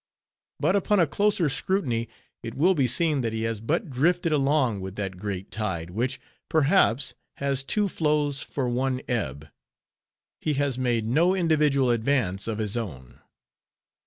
But upon a closer scrutiny, it will be seen that he has but drifted along with that great tide, which, perhaps, has two flows for one ebb; he has made no individual advance of his own.